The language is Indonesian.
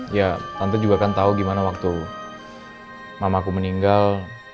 ya tante juga kan tau gimana waktu mamaku meninggal